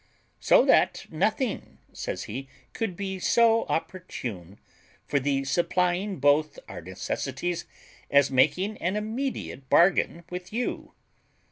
"So that nothing," says he, "could be so opportune for the supplying both our necessities as my making an immediate bargain with you."